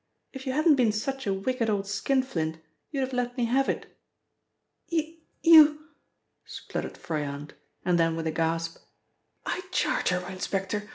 "If you hadn't been such a wicked old skinflint, you'd have let me have it." "You you " spluttered Froyant, and then with a gasp "I charge her, inspector.